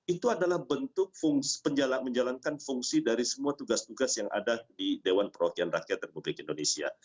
itu adalah bentuk menjalankan fungsi dari semua tugas tugas yang ada di dewan perwakilan rakyat republik indonesia